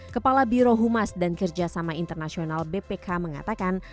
kepala biro humas dan kerjasama internasional bpk mengatakan